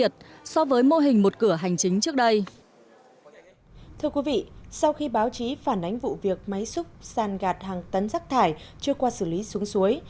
thưa quý vị sau khi báo chí phản ánh vụ việc máy xúc san gạt hàng tấn rác thải chưa qua xử lý xuống suối